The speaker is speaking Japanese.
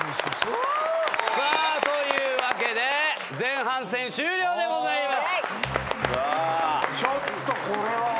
というわけで前半戦終了でございます。